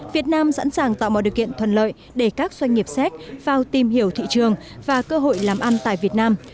việt nam sẵn sàng tạo mọi điều kiện thuận lợi để các doanh nghiệp séc vào tìm hiểu thị trường và cơ hội làm ăn tại việt nam